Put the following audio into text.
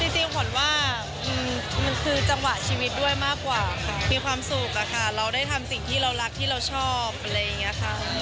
จริงขวัญว่ามันคือจังหวะชีวิตด้วยมากกว่าค่ะมีความสุขอะค่ะเราได้ทำสิ่งที่เรารักที่เราชอบอะไรอย่างนี้ค่ะ